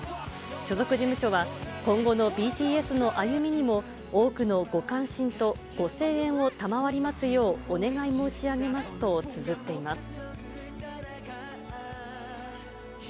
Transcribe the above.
所属事務所は、今後のＢＴＳの歩みにも、多くのご関心とご声援を賜りますよう、お願い申し上げますとつづっています。